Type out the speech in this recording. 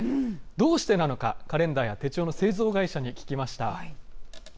どうしてなのか、カレンダーや手帳の製造会社に聞きました。